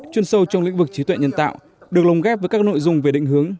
chuyên sâu trong lĩnh vực trí tuệ nhân tạo được lồng ghép với các nội dung về định hướng